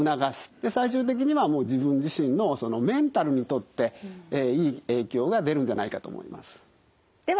で最終的には自分自身のそのメンタルにとっていい影響が出るんじゃないかと思います。